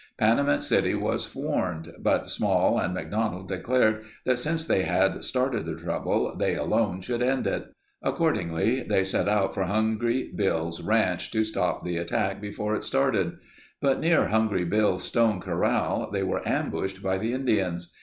Panamint City was warned but Small and McDonald declared that since they had started the trouble, they alone should end it. Accordingly, they set out for Hungry Bill's ranch to stop the attack before it started. But near Hungry Bill's stone corral they were ambushed by the Indians.